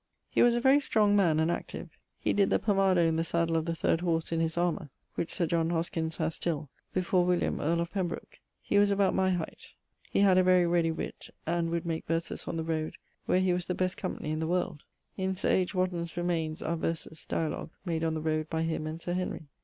He was a very strong man and active. He did the pomado in the saddle of the third horse in his armour (which Sir John Hoskins haz still) before William, earle of Pembroke. He was about my heighth. He had a very readie witt, and would make verses on the roade, where he was the best company in the world. In Sir H. Wotton's Remaynes are verses (dialogue) made on the roade by him and Sir Henry.